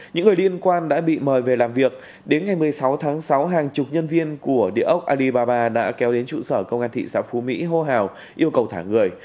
những người liên quan đã bị mời về làm việc đến ngày một mươi sáu tháng sáu hàng chục nhân viên của địa ốc alibaba đã kéo đến trụ sở công an thị xã phú mỹ hô hào yêu cầu thả người